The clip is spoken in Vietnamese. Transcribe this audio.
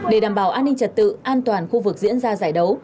để đảm bảo an ninh trật tự an toàn khu vực diễn ra giải đấu